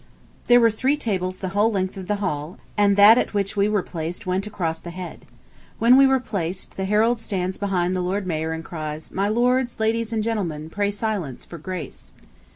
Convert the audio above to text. There were three tables the whole length of the hall, and that at which we were placed went across at the head. When we are placed, the herald stands behind the Lord Mayor and cries: "My Lords, Ladies, and Gentlemen, pray silence, for grace."